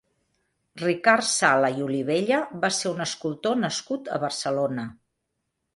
Ricard Sala i Olivella va ser un escultor nascut a Barcelona.